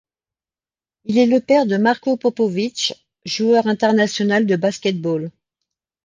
Il est le père de Marko Popović, joueur international de basket-ball.